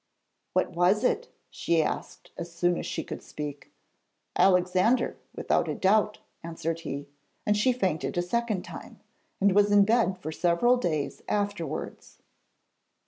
'What was it?' she asked as soon as she could speak. 'Alexander, without a doubt,' answered he, and she fainted a second time, and was in bed for several days afterwards.